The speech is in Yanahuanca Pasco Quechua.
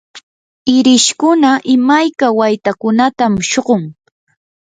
irishkuna imayka waytakunatam shuqun.